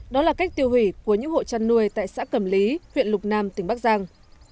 đó là cách tiêu hủy của những hộ chăn nuôi tại xã cầm lý huyện lục nam tỉnh bắc giang